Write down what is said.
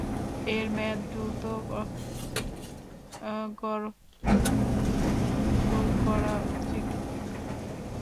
এর মেয়াদ দ্রুত খর্ব করা উচিত।